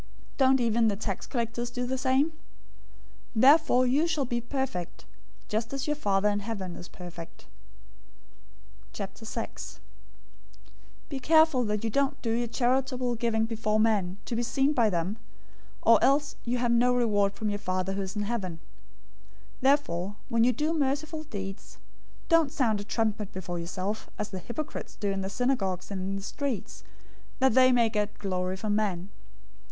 Don't even the tax collectors do the same? 005:048 Therefore you shall be perfect, just as your Father in heaven is perfect. 006:001 "Be careful that you don't do your charitable giving before men, to be seen by them, or else you have no reward from your Father who is in heaven. 006:002 Therefore when you do merciful deeds, don't sound a trumpet before yourself, as the hypocrites do in the synagogues and in the streets, that they may get glory from men.